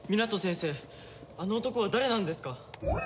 あの男は誰なんですか？